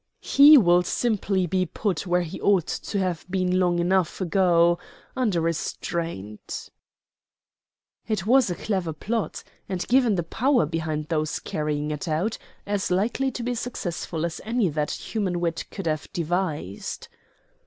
"He will simply be put where he ought to have been long enough ago under restraint." It was a clever plot, and, given the power behind those carrying it out, as likely to be successful as any that human wit could have devised.